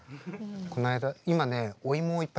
この間今ねお芋をいっぱいもらったの。